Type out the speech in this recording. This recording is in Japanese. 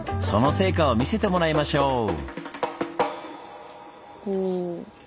その成果を見せてもらいましょう！